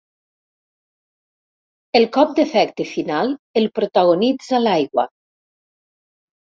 El cop d'efecte final el protagonitza l'aigua.